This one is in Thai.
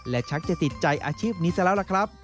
และชักจะติดใจอาชีพนี้ซะแล้วล่ะครับ